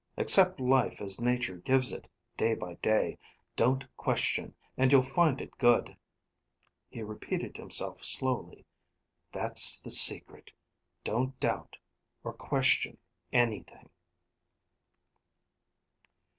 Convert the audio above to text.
"Accept life as Nature gives it, day by day. Don't question, and you'll find it good." He repeated himself slowly. "That's the secret. Don't doubt, or question anything."